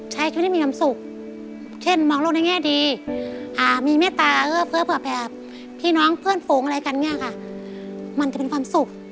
แต่ใจเราจะยิ่งสูงขึ้นค่ะ